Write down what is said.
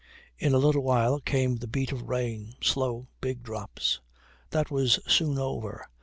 In a little while came the beat of rain slow, big drops. That was soon over.